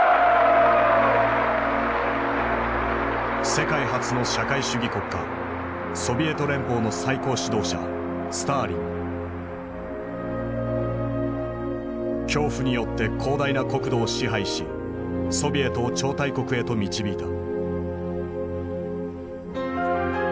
世界初の社会主義国家ソビエト連邦の最高指導者恐怖によって広大な国土を支配しソビエトを超大国へと導いた。